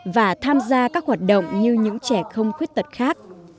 và tham gia các hoạt động như những trẻ không khuyết tật khác